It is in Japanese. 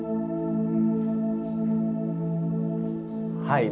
はい。